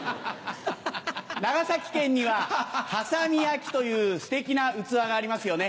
長崎県には波佐見焼というステキな器がありますよね。